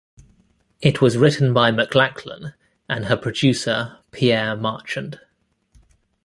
It was written by McLachlan and her producer Pierre Marchand.